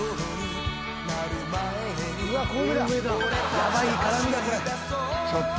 ヤバい絡みだこれ。